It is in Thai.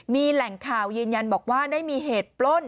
มีแหล่งข่าวยืนยันบอกว่าได้มีเหตุปล้น